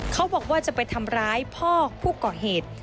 เขาบอกว่าจะไปทำร้ายพ่อผู้ก่อเหตุ